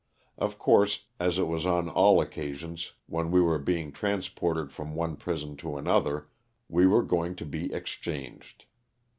Of course, as it was on all occasions when we were being transported from one prison to another, '^we were going to be exchanged.'